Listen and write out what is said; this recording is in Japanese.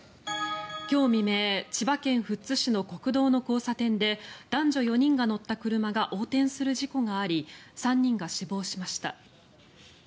今日未明千葉県富津市の国道の交差点で男女４人が乗った車が横転する事故があり３人が死亡しました。